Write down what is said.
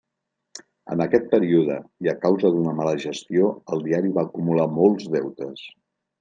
En aquest període i a causa d'una mala gestió, el diari va acumular molts deutes.